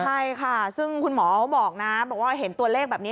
ใช่ค่ะซึ่งคุณหมอเขาบอกนะบอกว่าเห็นตัวเลขแบบนี้